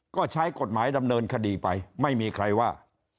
ก็ใช้กฎหมายดำเนินคดีไปไม่มีใครว่า